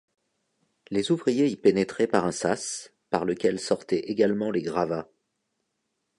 Les ouvriers y pénétraient par un sas, par lequel sortaient également les gravats.